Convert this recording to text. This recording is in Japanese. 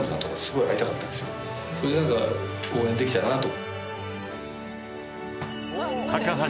それでなんか応援できたらなと。